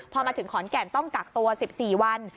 พอมาถึงขอนแก่นต้องกักตัว๑๔วัน